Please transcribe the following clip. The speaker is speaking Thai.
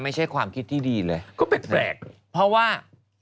ไม่ใช่ความคิดที่ดีเลยก็แปลกเพราะว่า